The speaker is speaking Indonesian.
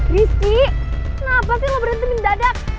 rizky kenapa lo berhenti minum dadak